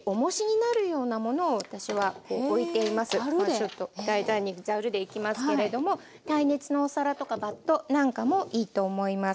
ちょっと大胆にざるでいきますけれども耐熱のお皿とかバットなんかもいいと思います。